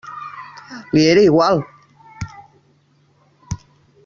Li era igual!